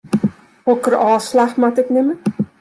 Hokker ôfslach moat ik nimme?